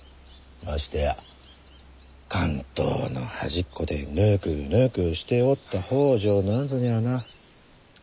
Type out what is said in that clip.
ましてや関東の端っこでぬくぬくしておった北条なんぞにゃあな。